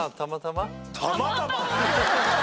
たまたま！？